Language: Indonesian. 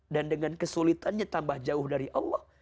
dan dengan kesulitannya tambah jauh dari allah